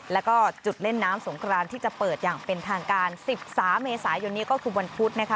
แล้วก็จุดเล่นน้ำสงครานที่จะเปิดอย่างเป็นทางการ๑๓เมษายนนี้ก็คือวันพุธนะคะ